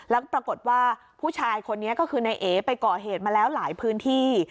แล้วก็ปรากฏว่าผู้ชายคนนี้ก็คือนายเอไปก่อเหตุมาแล้วหลายพื้นที่